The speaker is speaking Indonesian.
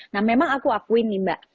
nah memang aku akuin nih mbak